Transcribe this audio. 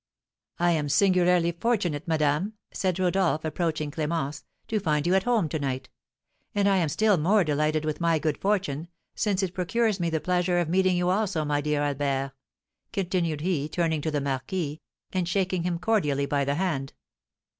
"I am singularly fortunate, madame," said Rodolph, approaching Clémence, "to find you at home to night; and I am still more delighted with my good fortune, since it procures me the pleasure of meeting you, also, my dear Albert," continued he, turning to the marquis, and shaking him cordially by the hand.